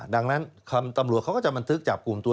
ดังนั้นตำรวจเขาก็จะบันทึกจับกลุ่มตัว